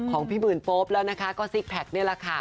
ของพี่หมื่นโป๊ปแล้วนะคะก็ซิกแพคนี่แหละค่ะ